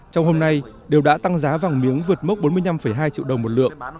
trong hôm nay đều đã tăng giá vàng miếng vượt mốc bốn mươi năm hai triệu đồng một lượng